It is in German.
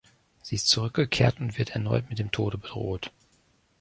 Sie ist zurückgekehrt und wird erneut mit dem Tode bedroht.